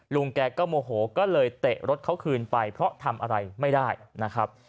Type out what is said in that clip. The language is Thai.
ลุงแกก็โมโหก็เลยเตะรถเขาคืนไปเพราะทำอะไรไม่ได้นะครับ